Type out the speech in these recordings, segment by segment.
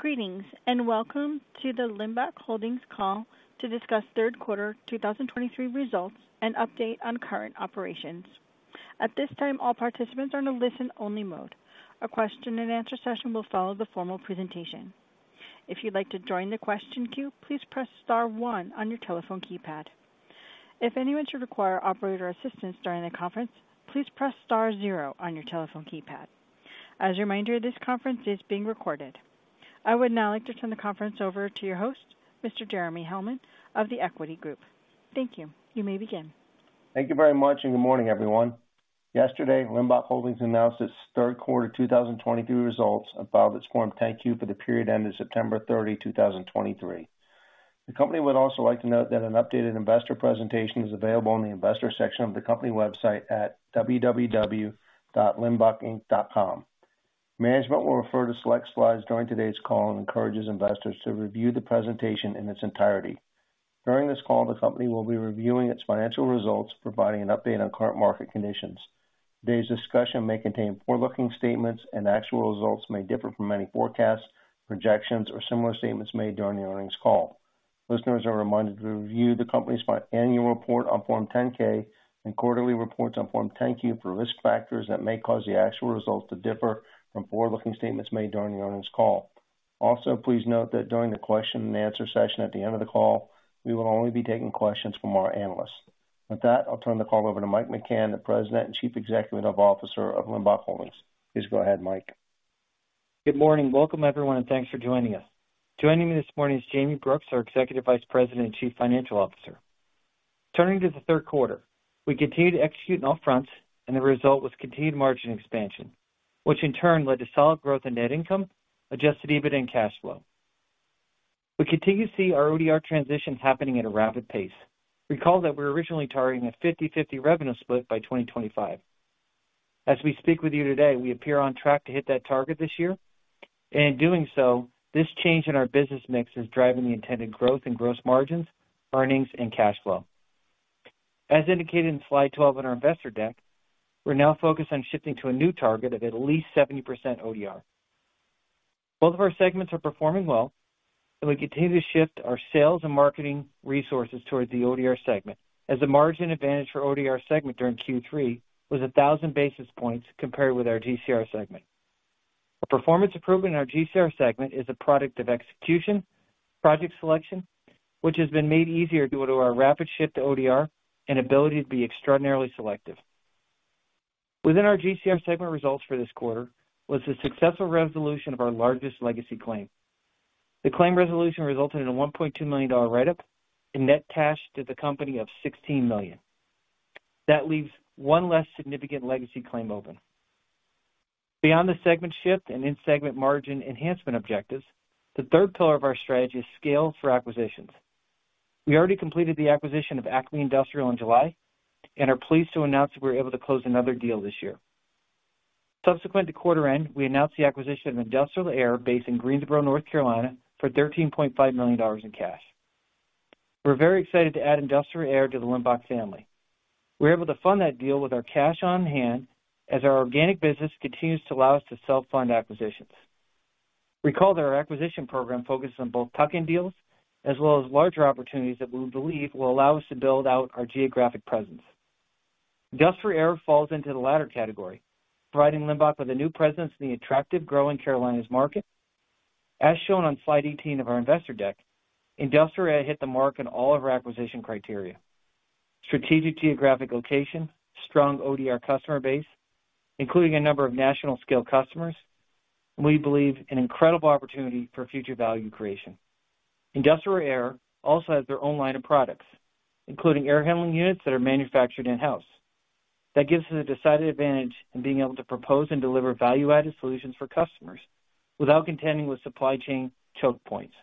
Greetings, and welcome to the Limbach Holdings call to discuss third quarter 2023 results and update on current operations. At this time, all participants are in a listen-only mode. A question-and-answer session will follow the formal presentation. If you'd like to join the question queue, please press star one on your telephone keypad. If anyone should require operator assistance during the conference, please press star zero on your telephone keypad. As a reminder, this conference is being recorded. I would now like to turn the conference over to your host, Mr. Jeremy Hellman of The Equity Group. Thank you. You may begin. Thank you very much, and good morning, everyone. Yesterday, Limbach Holdings announced its third quarter 2023 results and filed its Form 10-Q for the period ending September 30, 2023. The company would also like to note that an updated investor presentation is available on the investor section of the company website at www.limbachinc.com. Management will refer to select slides during today's call and encourages investors to review the presentation in its entirety. During this call, the company will be reviewing its financial results, providing an update on current market conditions. Today's discussion may contain forward-looking statements, and actual results may differ from any forecasts, projections, or similar statements made during the earnings call. Listeners are reminded to review the company's annual report on Form 10-K and quarterly reports on Form 10-Q for risk factors that may cause the actual results to differ from forward-looking statements made during the earnings call. Also, please note that during the question and answer session at the end of the call, we will only be taking questions from our analysts. With that, I'll turn the call over to Mike McCann, the President and Chief Executive Officer of Limbach Holdings. Please go ahead, Mike. Good morning. Welcome, everyone, and thanks for joining us. Joining me this morning is Jayme Brooks, our Executive Vice President and Chief Financial Officer. Turning to the third quarter, we continued to execute on all fronts, and the result was continued margin expansion, which in turn led to solid growth in net income, adjusted EBITDA, and cash flow. We continue to see our ODR transition happening at a rapid pace. Recall that we're originally targeting a 50/50 revenue split by 2025. As we speak with you today, we appear on track to hit that target this year. And in doing so, this change in our business mix is driving the intended growth in gross margins, earnings, and cash flow. As indicated in slide 12 in our investor deck, we're now focused on shifting to a new target of at least 70% ODR. Both of our segments are performing well, and we continue to shift our sales and marketing resources towards the ODR segment, as the margin advantage for ODR segment during Q3 was 1,000 basis points compared with our GCR segment. A performance improvement in our GCR segment is a product of execution, project selection, which has been made easier due to our rapid shift to ODR and ability to be extraordinarily selective. Within our GCR segment results for this quarter was the successful resolution of our largest legacy claim. The claim resolution resulted in a $1.2 million write-up and net cash to the company of $16 million. That leaves one less significant legacy claim open. Beyond the segment shift and in-segment margin enhancement objectives, the third pillar of our strategy is scale for acquisitions. We already completed the acquisition of ACME Industrial in July and are pleased to announce that we're able to close another deal this year. Subsequent to quarter end, we announced the acquisition of Industrial Air, based in Greensboro, North Carolina, for $13.5 million in cash. We're very excited to add Industrial Air to the Limbach family. We're able to fund that deal with our cash on hand as our organic business continues to allow us to self-fund acquisitions. Recall that our acquisition program focuses on both tuck-in deals as well as larger opportunities that we believe will allow us to build out our geographic presence. Industrial Air falls into the latter category, providing Limbach with a new presence in the attractive, growing Carolinas market. As shown on slide 18 of our investor deck, Industrial Air hit the mark on all of our acquisition criteria: strategic geographic location, strong ODR customer base, including a number of national scale customers, and we believe an incredible opportunity for future value creation. Industrial Air also has their own line of products, including air handling units that are manufactured in-house. That gives us a decided advantage in being able to propose and deliver value-added solutions for customers without contending with supply chain choke points.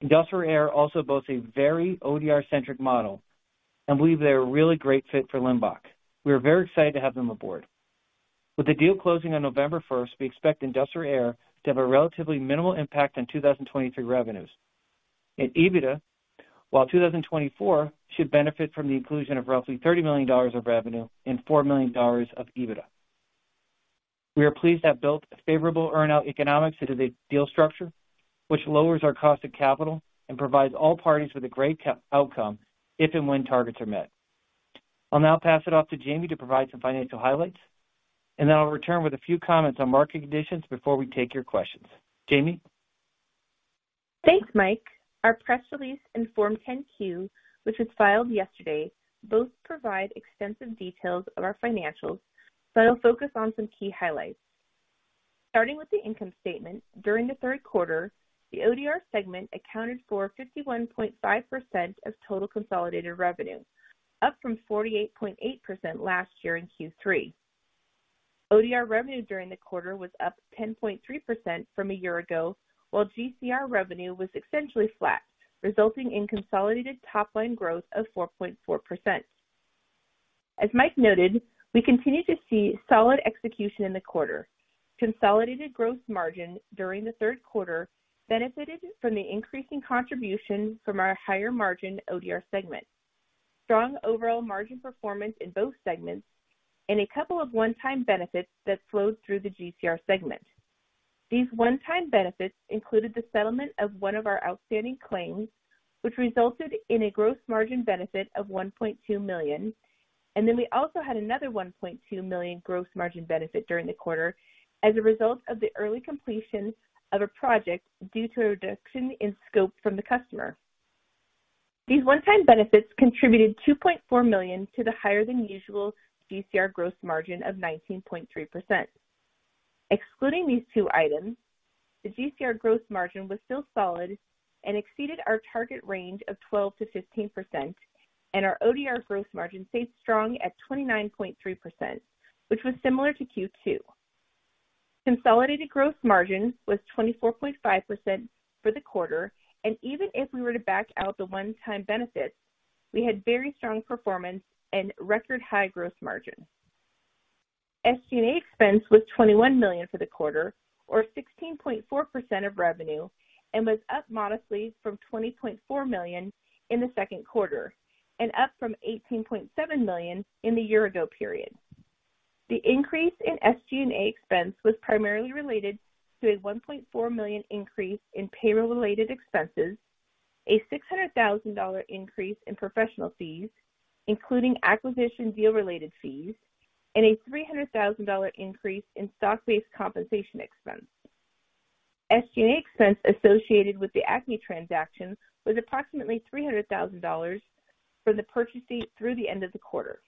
Industrial Air also boasts a very ODR-centric model, and we believe they're a really great fit for Limbach. We are very excited to have them aboard. With the deal closing on November 1st, we expect Industrial Air to have a relatively minimal impact on 2023 revenues and EBITDA, while 2024 should benefit from the inclusion of roughly $30 million of revenue and $4 million of EBITDA. We are pleased to have built favorable earn-out economics into the deal structure, which lowers our cost of capital and provides all parties with a great outcome if and when targets are met. I'll now pass it off to Jayme to provide some financial highlights, and then I'll return with a few comments on market conditions before we take your questions. Jayme? Thanks, Mike. Our press release and Form 10-Q, which was filed yesterday, both provide extensive details of our financials, so I'll focus on some key highlights. Starting with the income statement, during the third quarter, the ODR segment accounted for 51.5% of total consolidated revenue, up from 48.8% last year in Q3. ODR revenue during the quarter was up 10.3% from a year ago, while GCR revenue was essentially flat, resulting in consolidated top-line growth of 4.4%. As Mike noted, we continue to see solid execution in the quarter. Consolidated gross margin during the third quarter benefited from the increasing contribution from our higher margin ODR segment, strong overall margin performance in both segments, and a couple of one-time benefits that flowed through the GCR segment. These one-time benefits included the settlement of one of our outstanding claims, which resulted in a gross margin benefit of $1.2 million, and then we also had another $1.2 million gross margin benefit during the quarter as a result of the early completion of a project due to a reduction in scope from the customer. These one-time benefits contributed $2.4 million to the higher than usual GCR gross margin of 19.3%. Excluding these two items, the GCR gross margin was still solid and exceeded our target range of 12%-15%, and our ODR gross margin stayed strong at 29.3%, which was similar to Q2. Consolidated gross margin was 24.5% for the quarter, and even if we were to back out the one-time benefits, we had very strong performance and record high gross margin. SG&A expense was $21 million for the quarter, or 16.4% of revenue, and was up modestly from $20.4 million in the second quarter and up from $18.7 million in the year ago period. The increase in SG&A expense was primarily related to a $1.4 million increase in payroll-related expenses, a $600,000 increase in professional fees, including acquisition deal-related fees, and a $300,000 increase in stock-based compensation expense. SG&A expense associated with the ACME transaction was approximately $300,000 from the purchase date through the end of the quarter.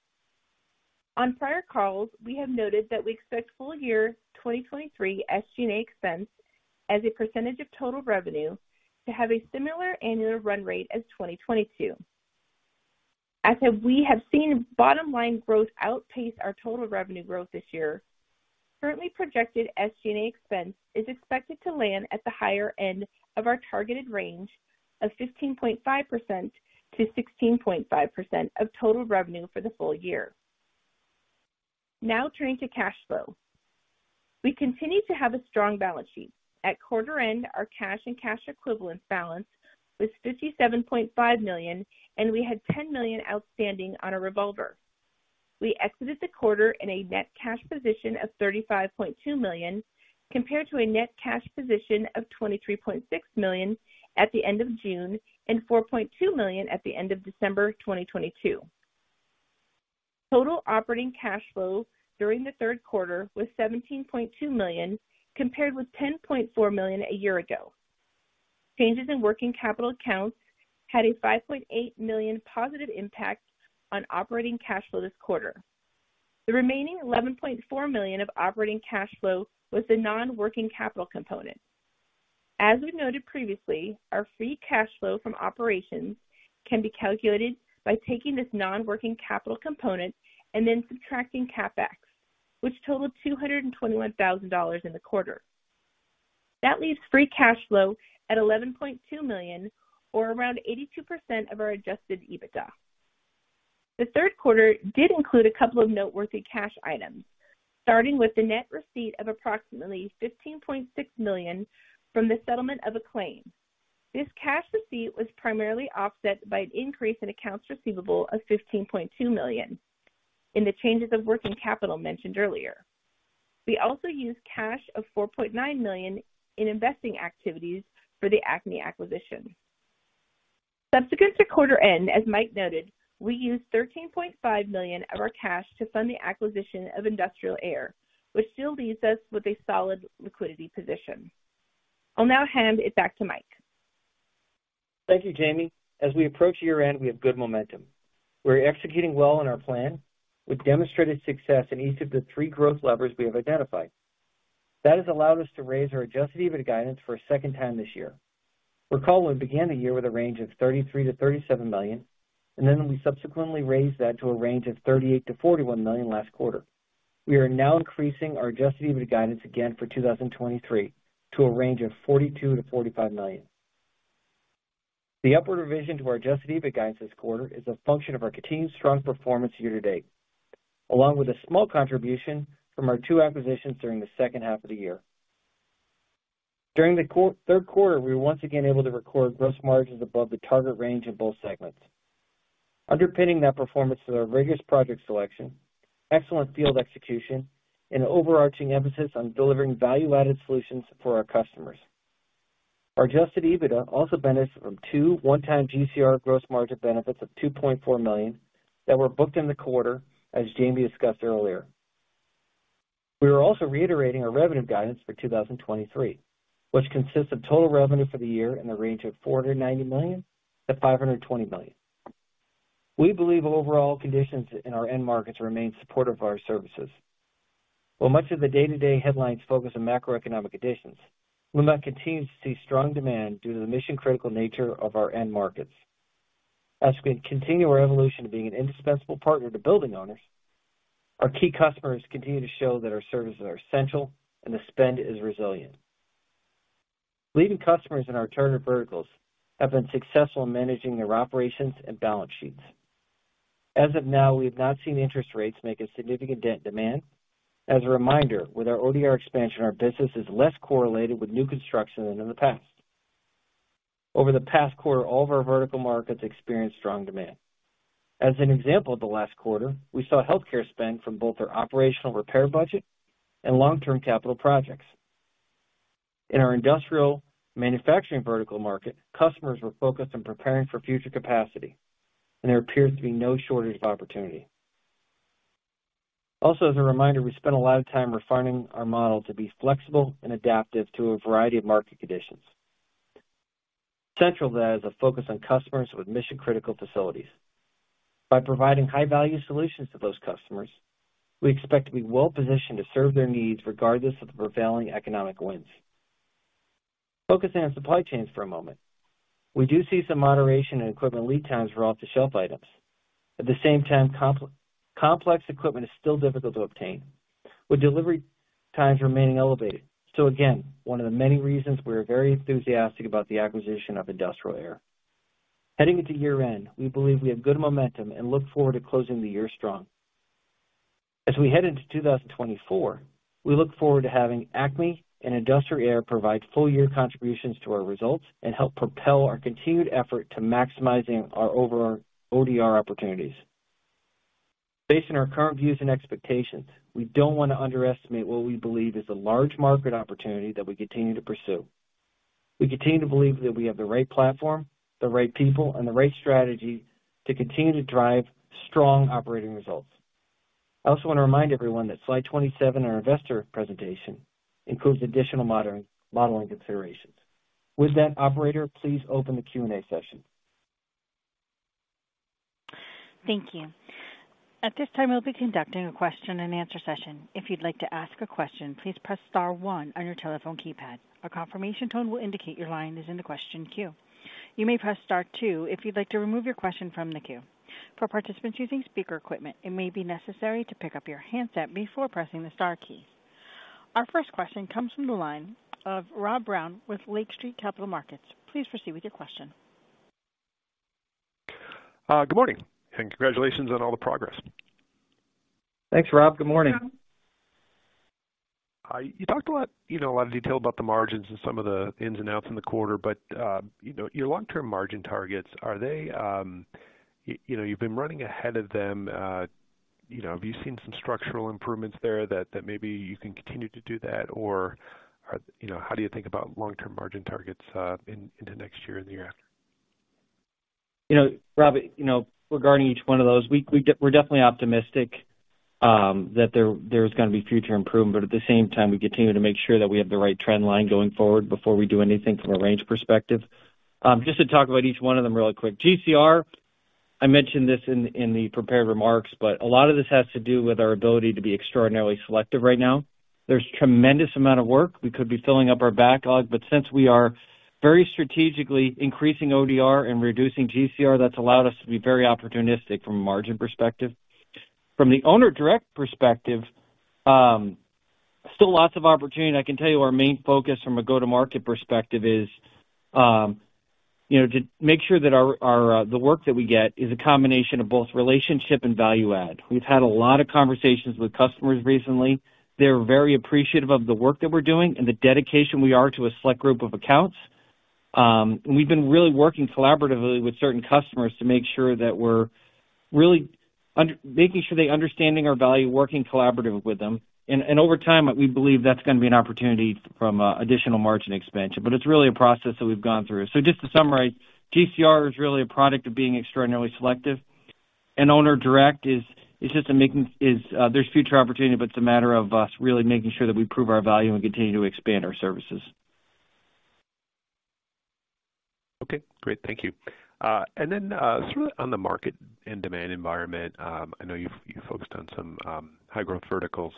On prior calls, we have noted that we expect full year 2023 SG&A expense as a percentage of total revenue, to have a similar annual run rate as 2022. As we have seen bottom line growth outpace our total revenue growth this year, currently projected SG&A expense is expected to land at the higher end of our targeted range of 15.5%-16.5% of total revenue for the full year. Now, turning to cash flow. We continue to have a strong balance sheet. At quarter end, our cash and cash equivalents balance was $57.5 million, and we had $10 million outstanding on a revolver. We exited the quarter in a net cash position of $35.2 million, compared to a net cash position of $23.6 million at the end of June and $4.2 million at the end of December 2022. Total operating cash flow during the third quarter was $17.2 million, compared with $10.4 million a year ago. Changes in working capital accounts had a $5.8 million positive impact on operating cash flow this quarter. The remaining $11.4 million of operating cash flow was the non-working capital component. As we noted previously, our Free Cash Flow from operations can be calculated by taking this non-working capital component and then subtracting CapEx, which totaled $221,000 in the quarter. That leaves Free Cash Flow at $11.2 million or around 82% of our adjusted EBITDA. The third quarter did include a couple of noteworthy cash items, starting with the net receipt of approximately $15.6 million from the settlement of a claim. This cash receipt was primarily offset by an increase in accounts receivable of $15.2 million in the changes of working capital mentioned earlier. We also used $4.9 million in investing activities for the ACME acquisition. Subsequent to quarter end, as Mike noted, we used $13.5 million of our cash to fund the acquisition of Industrial Air, which still leaves us with a solid liquidity position. I'll now hand it back to Mike. Thank you, Jayme. As we approach year-end, we have good momentum. We're executing well on our plan with demonstrated success in each of the three growth levers we have identified. That has allowed us to raise our Adjusted EBITDA guidance for a second time this year. Recall, we began the year with a range of $33 million-$37 million, and then we subsequently raised that to a range of $38 million-$41 million last quarter. We are now increasing our adjusted EBITDA guidance again for 2023 to a range of $42 million-$45 million. The upward revision to our adjusted EBITDA guidance this quarter is a function of our continued strong performance year to date, along with a small contribution from our two acquisitions during the second half of the year. During the third quarter, we were once again able to record gross margins above the target range in both segments. Underpinning that performance is our rigorous project selection, excellent field execution, and overarching emphasis on delivering value-added solutions for our customers. Our Adjusted EBITDA also benefits from two one-time GCR gross margin benefits of $2.4 million that were booked in the quarter, as Jayme discussed earlier. We are also reiterating our revenue guidance for 2023, which consists of total revenue for the year in the range of $490 million-$520 million. We believe overall conditions in our end markets remain supportive of our services. While much of the day-to-day headlines focus on macroeconomic conditions, we continue to see strong demand due to the mission-critical nature of our end markets. As we continue our evolution of being an indispensable partner to building owners, our key customers continue to show that our services are essential and the spend is resilient. Leading customers in our target verticals have been successful in managing their operations and balance sheets. As of now, we have not seen interest rates make a significant dent in demand. As a reminder, with our ODR expansion, our business is less correlated with new construction than in the past over the past quarter, all of our vertical markets experienced strong demand. As an example, of the last quarter, we saw healthcare spend from both our operational repair budget and long-term capital projects. In our industrial manufacturing vertical market, customers were focused on preparing for future capacity, and there appears to be no shortage of opportunity. Also, as a reminder, we spent a lot of time refining our model to be flexible and adaptive to a variety of market conditions. Central to that is a focus on customers with mission-critical facilities. By providing high-value solutions to those customers, we expect to be well positioned to serve their needs regardless of the prevailing economic winds. Focusing on supply chains for a moment, we do see some moderation in equipment lead times for off-the-shelf items. At the same time, complex equipment is still difficult to obtain, with delivery times remaining elevated. So again, one of the many reasons we are very enthusiastic about the acquisition of Industrial Air. Heading into year-end, we believe we have good momentum and look forward to closing the year strong. As we head into 2024, we look forward to having ACME and Industrial Air provide full year contributions to our results and help propel our continued effort to maximizing our owner ODR opportunities. Based on our current views and expectations, we don't want to underestimate what we believe is a large market opportunity that we continue to pursue. We continue to believe that we have the right platform, the right people, and the right strategy to continue to drive strong operating results. I also want to remind everyone that slide 27 in our investor presentation includes additional modeling, modeling considerations. With that, operator, please open the Q&A session. Thank you. At this time, we'll be conducting a question-and-answer session. If you'd like to ask a question, please press star one on your telephone keypad. A confirmation tone will indicate your line is in the question queue. You may press star two if you'd like to remove your question from the queue. For participants using speaker equipment, it may be necessary to pick up your handset before pressing the star key. Our first question comes from the line of Rob Brown with Lake Street Capital Markets. Please proceed with your question. Good morning, and congratulations on all the progress. Thanks, Rob. Good morning. You talked a lot, you know, a lot of detail about the margins and some of the ins and outs in the quarter, but, you know, your long-term margin targets, are they you know, you've been running ahead of them. You know, have you seen some structural improvements there that, that maybe you can continue to do that? Or, you know, how do you think about long-term margin targets, into next year and the year after? You know, Rob, you know, regarding each one of those, we're definitely optimistic that there's going to be future improvement. But at the same time, we continue to make sure that we have the right trend line going forward before we do anything from a range perspective. Just to talk about each one of them really quick. GCR, I mentioned this in the prepared remarks, but a lot of this has to do with our ability to be extraordinarily selective right now. There's tremendous amount of work. We could be filling up our backlog, but since we are very strategically increasing ODR and reducing GCR, that's allowed us to be very opportunistic from a margin perspective. From the owner direct perspective, still lots of opportunity. I can tell you our main focus from a go-to-market perspective is, you know, to make sure that our, our, the work that we get is a combination of both relationship and value add. We've had a lot of conversations with customers recently. They're very appreciative of the work that we're doing and the dedication we are to a select group of accounts. We've been really working collaboratively with certain customers to make sure that we're really making sure they're understanding our value, working collaborative with them. And over time, we believe that's going to be an opportunity from additional margin expansion, but it's really a process that we've gone through. So just to summarize, GCR is really a product of being extraordinarily selective. Owner Direct is just making, there's future opportunity, but it's a matter of us really making sure that we prove our value and continue to expand our services. Okay, great. Thank you. And then, sort of on the market and demand environment, I know you've focused on some high growth verticals,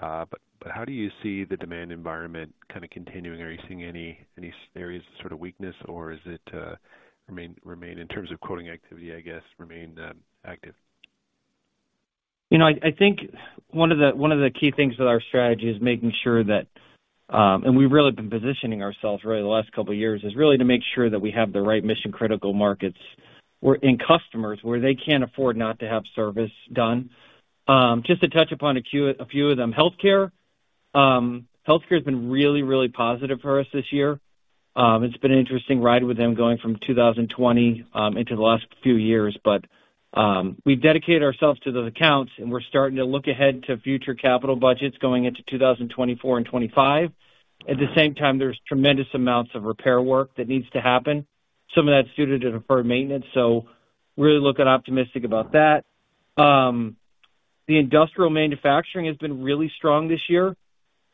but how do you see the demand environment kind of continuing? Are you seeing any areas of sort of weakness, or is it remain in terms of quoting activity, I guess, remain active? You know, I think one of the key things with our strategy is making sure that and we've really been positioning ourselves really the last couple of years, is really to make sure that we have the right mission-critical markets where and customers, where they can't afford not to have service done. Just to touch upon a few of them. Healthcare. Healthcare has been really, really positive for us this year. It's been an interesting ride with them going from 2020 into the last few years. But we've dedicated ourselves to those accounts, and we're starting to look ahead to future capital budgets going into 2024 and 2025. At the same time, there's tremendous amounts of repair work that needs to happen. Some of that's due to deferred maintenance, so really looking optimistic about that. The industrial manufacturing has been really strong this year.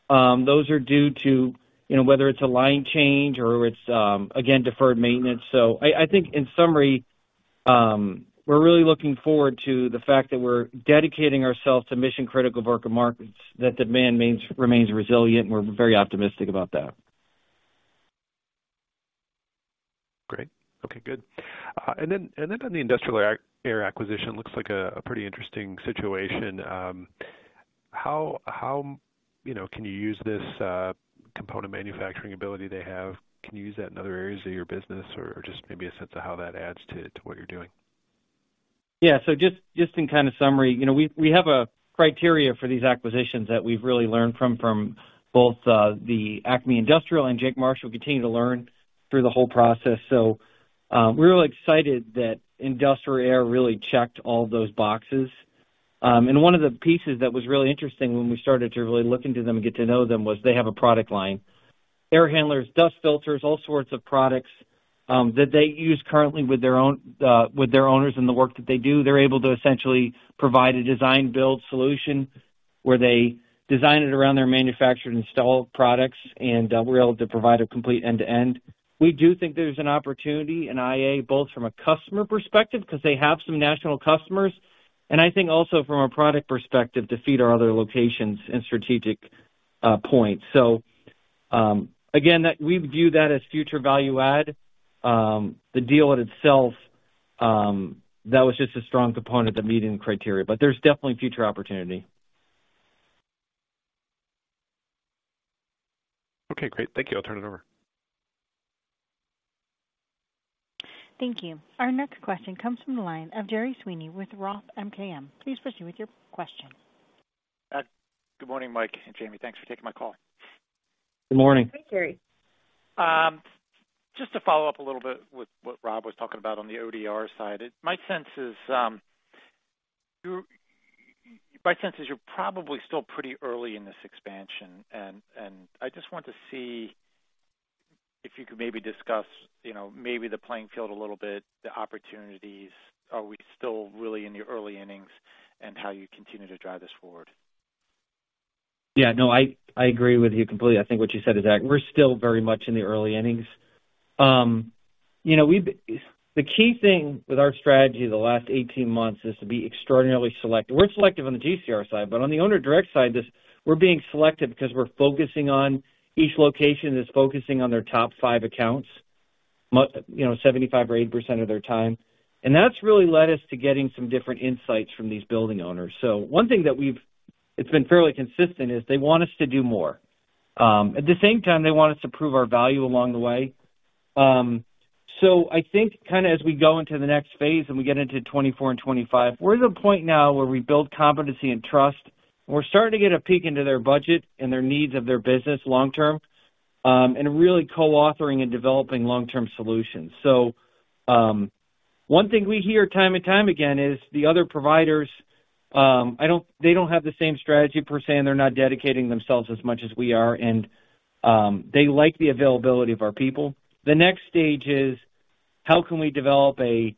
Those are due to, you know, whether it's a line change or it's, again, deferred maintenance. So I, I think in summary, we're really looking forward to the fact that we're dedicating ourselves to mission-critical work markets. That demand remains, remains resilient, and we're very optimistic about that. Great. Okay, good. And then on the Industrial Air acquisition, looks like a pretty interesting situation. How, you know, can you use this component manufacturing ability they have? Can you use that in other areas of your business or just maybe a sense of how that adds to what you're doing? Yeah. So just, just in kind of summary, you know, we, we have a criteria for these acquisitions that we've really learned from, from both, the ACME Industrial and Jake Marshall, continue to learn through the whole process. So, we're really excited that Industrial Air really checked all those boxes. And one of the pieces that was really interesting when we started to really look into them and get to know them, was they have a product line. Air handlers, dust filters, all sorts of products, that they use currently with their own, with their owners and the work that they do. They're able to essentially provide a design-build solution, where they design it around their manufactured, installed products, and, we're able to provide a complete end-to-end. We do think there's an opportunity in IA, both from a customer perspective, because they have some national customers, and I think also from a product perspective, to feed our other locations and strategic points. So, again, that we view that as future value add. The deal in itself, that was just a strong component of meeting the criteria, but there's definitely future opportunity. Okay, great. Thank you. I'll turn it over. Thank you. Our next question comes from the line of Gerry Sweeney with Roth MKM. Please proceed with your question. Good morning, Mike and Jayme. Thanks for taking my call. Good morning. Hi, Gerry. Just to follow up a little bit with what Rob was talking about on the ODR side. My sense is you're probably still pretty early in this expansion, and I just want to see if you could maybe discuss, you know, maybe the playing field a little bit, the opportunities. Are we still really in the early innings, and how you continue to drive this forward? Yeah, no, I agree with you completely. I think what you said is that we're still very much in the early innings. You know, the key thing with our strategy the last 18 months is to be extraordinarily selective. We're selective on the GCR side, but on the owner direct side, we're being selective because we're focusing on each location that's focusing on their top five accounts, you know, 75% or 80% of their time. And that's really led us to getting some different insights from these building owners. So one thing that we've, it's been fairly consistent, is they want us to do more. At the same time, they want us to prove our value along the way. I think kind of as we go into the next phase and we get into 2024 and 2025, we're at a point now where we build competency and trust, and we're starting to get a peek into their budget and their needs of their business long term, and really co-authoring and developing long-term solutions. One thing we hear time and time again is the other providers, they don't have the same strategy per se, and they're not dedicating themselves as much as we are, and they like the availability of our people. The next stage is: How can we develop a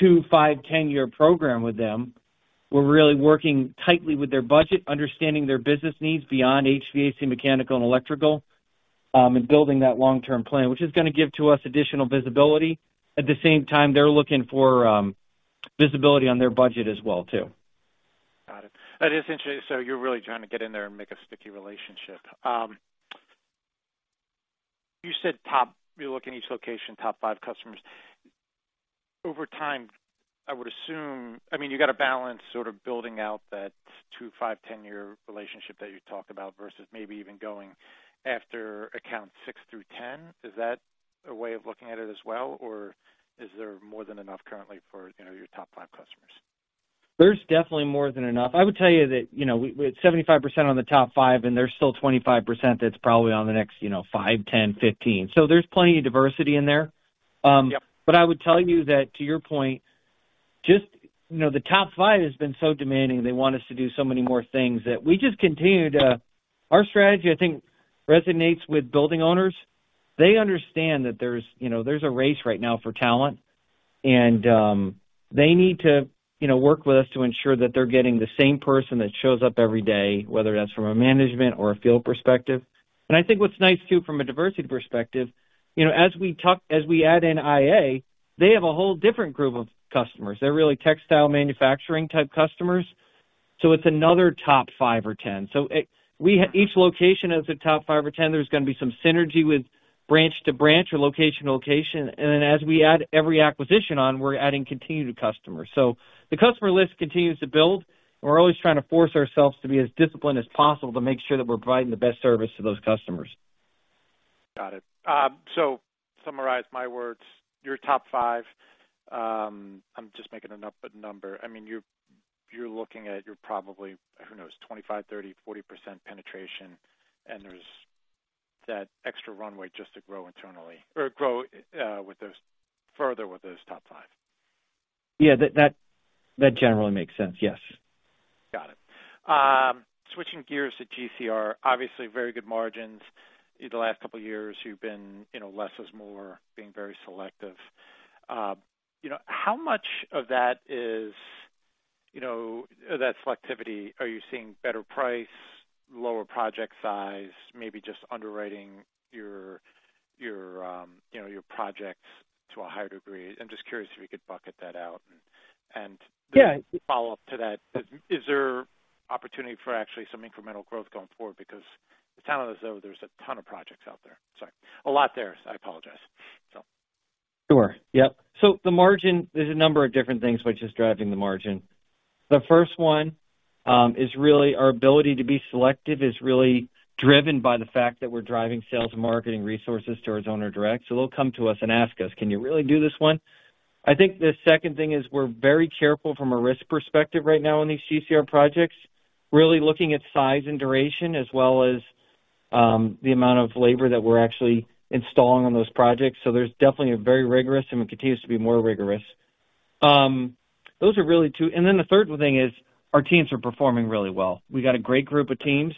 two, five, 10-year program with them? We're really working tightly with their budget, understanding their business needs beyond HVAC, mechanical and electrical, and building that long-term plan, which is going to give to us additional visibility. At the same time, they're looking for visibility on their budget as well, too. Got it. That is interesting. So you're really trying to get in there and make a sticky relationship. You said top, you're looking at each location, top five customers. Over time, I would assume, I mean, you got to balance sort of building out that two, five, 10-year relationship that you talked about, versus maybe even going after account six through 10. Is that a way of looking at it as well, or is there more than enough currently for, you know, your top five customers? There's definitely more than enough. I would tell you that, you know, we're at 75% on the top five, and there's still 25% that's probably on the next, you know, five, 10, 15. So there's plenty of diversity in there. Yep. But I would tell you that, to your point, just, you know, the top five has been so demanding. They want us to do so many more things, that we just continue to our strategy, I think, resonates with building owners. They understand that there's, you know, there's a race right now for talent, and they need to, you know, work with us to ensure that they're getting the same person that shows up every day, whether that's from a management or a field perspective. And I think what's nice, too, from a diversity perspective, you know, as we talk, as we add in IA, they have a whole different group of customers. They're really textile manufacturing type customers, so it's another top five or ten. So we have each location has a top five or ten. There's going to be some synergy with branch to branch or location to location. And then as we add every acquisition on, we're adding continued customers. So the customer list continues to build, and we're always trying to force ourselves to be as disciplined as possible to make sure that we're providing the best service to those customers. Got it. So to summarize my words, your top five, I'm just making a number. I mean, you're, you're looking at, you're probably, who knows, 25, 30, 40% penetration, and there's that extra runway just to grow internally or grow with those further with those top five. Yeah, that generally makes sense. Yes. Got it. Switching gears to GCR, obviously, very good margins. In the last couple of years, you've been, you know, less is more, being very selective. You know, how much of that is, you know, of that selectivity, are you seeing better price, lower project size, maybe just underwriting your projects to a higher degree? I'm just curious if you could bucket that out. And- Yeah. Follow up to that, is there opportunity for actually some incremental growth going forward? Because it sounds as though there's a ton of projects out there. Sorry, a lot there. I apologize. So. Sure. Yep. So the margin, there's a number of different things which is driving the margin. The first one is really our ability to be selective is really driven by the fact that we're driving sales and marketing resources towards owner direct. So they'll come to us and ask us, "Can you really do this one?" I think the second thing is we're very careful from a risk perspective right now on these GCR projects, really looking at size and duration as well as the amount of labor that we're actually installing on those projects. So there's definitely a very rigorous, and it continues to be more rigorous. Those are really two. And then the third thing is our teams are performing really well. We got a great group of teams.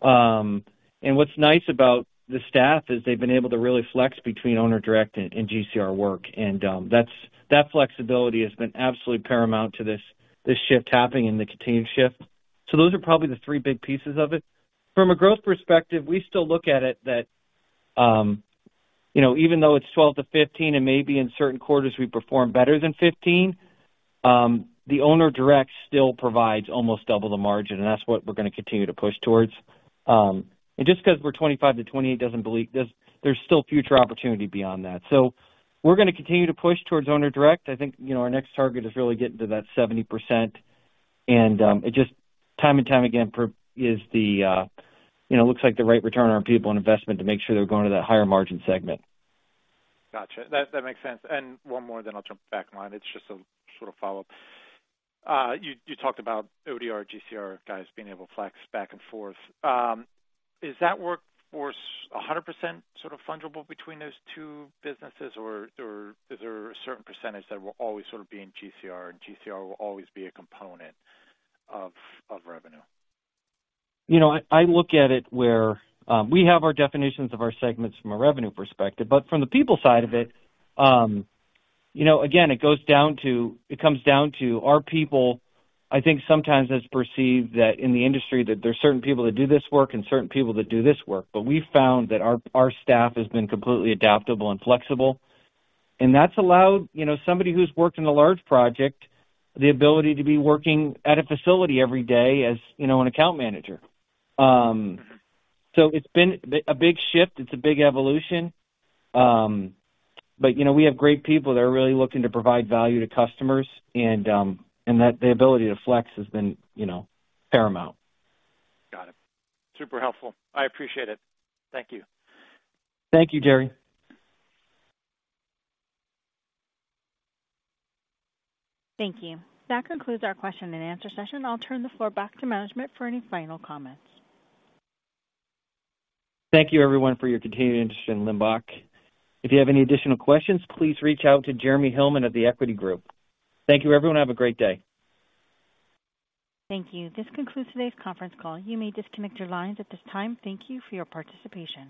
What's nice about the staff is they've been able to really flex between owner direct and GCR work, and that flexibility has been absolutely paramount to this shift happening and the continued shift. So those are probably the three big pieces of it. From a growth perspective, we still look at it that, you know, even though it's 12%-15%, and maybe in certain quarters we perform better than 15%, the owner direct still provides almost double the margin, and that's what we're going to continue to push towards. Just because we're 25%-28% doesn't belie. There's still future opportunity beyond that. So we're gonna continue to push towards owner direct. I think, you know, our next target is really getting to that 70%. And it's just time and time again proves it's the, you know, looks like the right return on people and investment to make sure they're going to that higher margin segment. Gotcha. That, that makes sense. And one more, then I'll jump back in line. It's just a sort of follow-up. You, you talked about ODR, GCR guys being able to flex back and forth. Is that workforce 100% sort of fungible between those two businesses? Or, or is there a certain percentage that will always sort of be in GCR, and GCR will always be a component of, of revenue? You know, I look at it where we have our definitions of our segments from a revenue perspective, but from the people side of it, you know, again, it goes down to it comes down to our people. I think sometimes it's perceived that in the industry, that there are certain people that do this work and certain people that do this work, but we found that our staff has been completely adaptable and flexible, and that's allowed, you know, somebody who's worked in a large project the ability to be working at a facility every day as, you know, an account manager. So it's been a big shift. It's a big evolution. But, you know, we have great people that are really looking to provide value to customers and, and that the ability to flex has been, you know, paramount. Got it. Super helpful. I appreciate it. Thank you. Thank you, Gerry. Thank you. That concludes our question-and-answer session. I'll turn the floor back to management for any final comments. Thank you, everyone, for your continued interest in Limbach. If you have any additional questions, please reach out to Jeremy Hellman of The Equity Group. Thank you, everyone. Have a great day. Thank you. This concludes today's conference call. You may disconnect your lines at this time. Thank you for your participation.